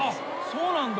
そうなんだ？